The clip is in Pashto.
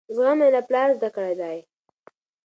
زغم مې له پلاره زده کړی دی.